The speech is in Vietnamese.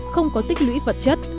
không có tích lũy vật chất